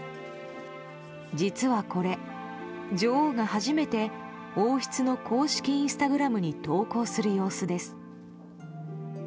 実はこれ、女王が初めて王室の公式インスタグラムに投稿する様子です。